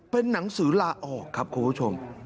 เป็นหนังสือลาออกครับคุณผู้ชม